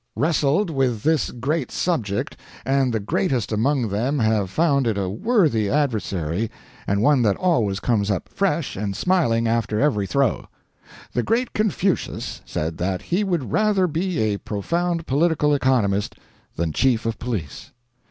] wrestled with this great subject, and the greatest among them have found it a worthy adversary, and one that always comes up fresh and smiling after every throw. The great Confucius said that he would rather be a profound political economist than chief of police.